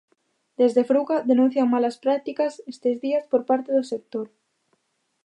Desde Fruga denuncian malas prácticas estes días por parte do sector.